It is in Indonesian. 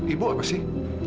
ibu apa sih